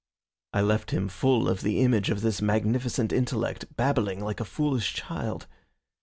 I left him full of the image of this magnificent intellect babbling like a foolish child.